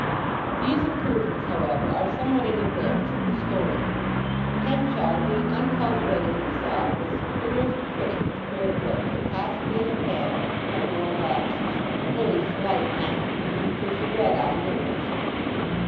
These improvements, however, are somewhat in advance of the story. Henchard, being uncultivated himself, was the bitterest critic the fair girl could possibly have had of her own lapses—really slight now, for she read omnivorously.